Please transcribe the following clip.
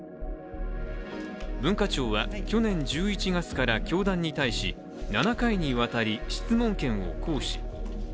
文化庁は去年１１月から教団に対し７回にわたり、質問権を行使。